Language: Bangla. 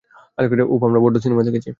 উফ, আমরা বড্ড সিনেমা দেখেছি।